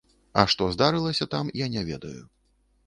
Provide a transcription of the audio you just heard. А што здарылася там, я не ведаю.